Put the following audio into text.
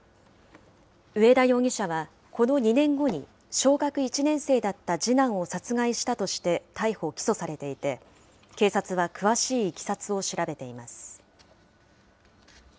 上田容疑者は、この２年後に小学１年生だった次男を殺害したとして逮捕・起訴されていて、警察は詳しいいきさつを調べています。